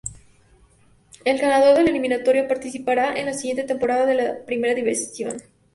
El ganador de la eliminatoria participará de la siguiente temporada de la Primera Divisió.